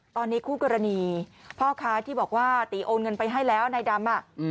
ตอนนี้คู่กรณีพ่อค้าที่บอกว่าตีโอนเงินไปให้แล้วนายดำ